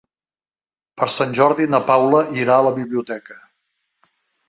Per Sant Jordi na Paula irà a la biblioteca.